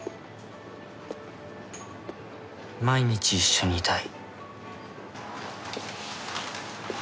毎日一緒にいたい